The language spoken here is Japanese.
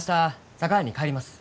佐川に帰ります。